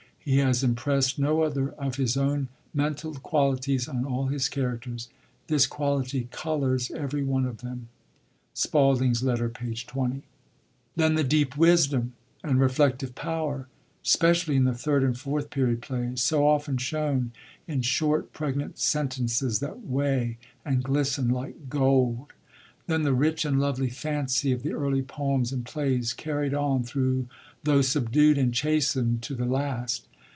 ... He has impressed no other of his own mental qualities on all his characters : this quality colours every one of them " (Spalding's Letter^ p. 20). Then the deep wisdom and reflective power, specially in the Third and Fourth Period plays, so often shown in short pregnant sentences that weigh and glisten like gold. Then the rich and lovely fancy of the early poems and plays, carried on, tho* subdued and chastend, to the last.